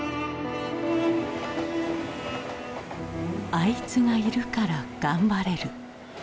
アイツがいるから頑張れる。